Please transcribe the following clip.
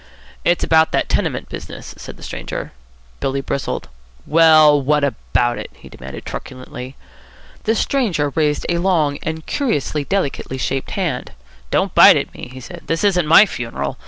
"It's about that tenement business," said the stranger. Billy bristled. "Well, what about it?" he demanded truculently. The stranger raised a long and curiously delicately shaped hand. "Don't bite at me," he said. "This isn't my funeral.